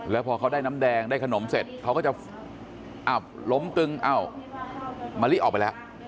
แล้วพอเขาได้น้ำแดงได้ขนมเสร็จเขาก็จะอ้าวล้มตึงอ้าวมะลิออกไปแล้ว